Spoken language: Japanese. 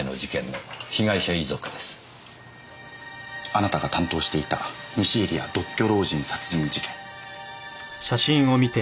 あなたが担当していた「西入谷独居老人殺人事件」。